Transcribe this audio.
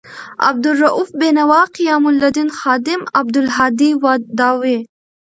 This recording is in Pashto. عبدا لروؤف بینوا، قیام الدین خادم، عبدالهادي داوي